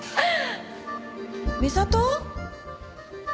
美里？